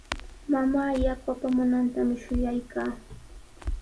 Mamaa yaku apamunantami shuyaykaa.